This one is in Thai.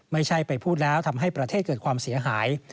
ไม่ใช่ไปพูดแล้วทำให้ประเทศเกิดความเสียหาย